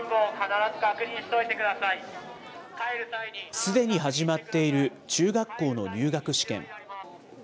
すでに始まっている中学校の入学試験。